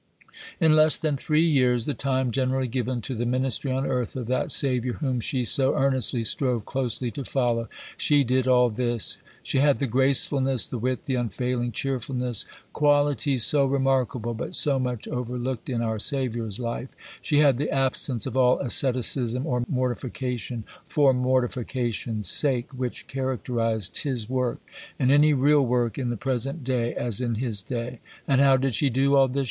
In less than three years the time generally given to the ministry on earth of that Saviour whom she so earnestly strove closely to follow she did all this. She had the gracefulness, the wit, the unfailing cheerfulness qualities so remarkable but so much overlooked in our Saviour's life. She had the absence of all asceticism, or "mortification," for mortification's sake, which characterized His work, and any real work in the present day as in His day. And how did she do all this?